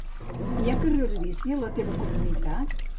Hi ha carrils bici a la teva comunitat?